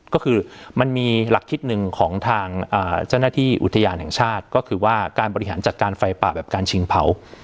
ก็คือมันมีหลักคิดหนึ่งของทางเจ้าหน้าที่อุทยานแห่งชาติก็คือว่าการบริหารจัดการไฟป่าแบบการชิงเผา